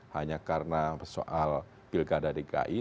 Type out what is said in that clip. hanya karena soal pilkada dki